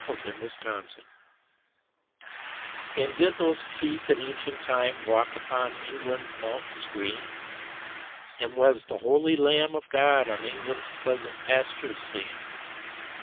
Y Z Jerusalem AND did those feet in ancient time Walk upon England's mountains green? And was the holy Lamb of God On England's pleasant pastures seen?